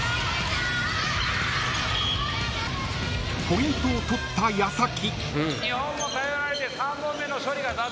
［ポイントを取った矢先］